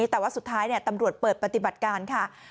แต่ว่าสุดท้ายตำรวจเปิดปฏิบัติการค่ะ